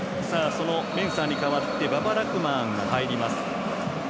そのメンサーに代わってババ・ラフマーンが入ります。